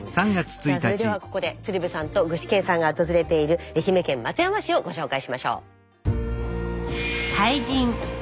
さあそれではここで鶴瓶さんと具志堅さんが訪れている愛媛県松山市をご紹介しましょう。